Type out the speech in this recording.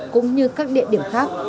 cũng như các địa điểm khác